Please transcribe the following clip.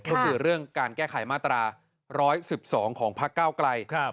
ก็คือเรื่องการแก้ไขมาตรา๑๑๒ของพักเก้าไกล